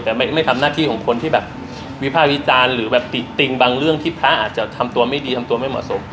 แต่ไม่ทำหน้าที่ของคนที่แบบวิภาควิจารณ์หรือแบบติติงบางเรื่องที่พระอาจจะทำตัวไม่ดีทำตัวไม่เหมาะสม